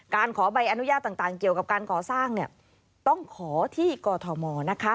ขอใบอนุญาตต่างเกี่ยวกับการก่อสร้างต้องขอที่กอทมนะคะ